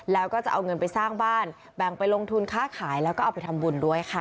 แล้วก็จะเอาเงินไปสร้างบ้านแบ่งไปลงทุนค้าขายแล้วก็เอาไปทำบุญด้วยค่ะ